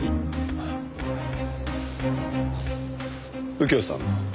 右京さんも？